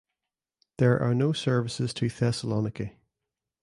There are no services to Thessaloniki.